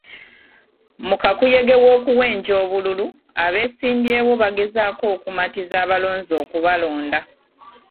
Mu kakuyege w'okuwenja obululu, abeesimbyewo bagezaako okumatiza abalonzi okubalonda.